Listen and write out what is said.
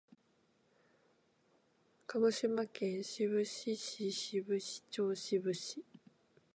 鹿児島県志布志市志布志町志布志